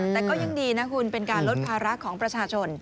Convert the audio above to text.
แต่ก็ยังดีนะคุณเป็นการลดภาระของประชาชน